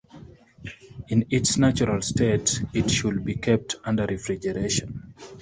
In its natural state, it should be kept under refrigeration.